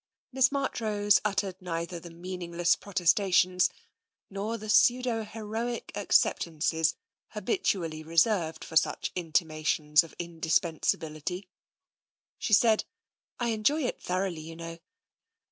Miss Marchrose uttered neither the meaningless prot estations nor the pseudo heroic acceptances habitually reserved for such intimations of indispensability. She said, " I enjoy it thoroughly, you know.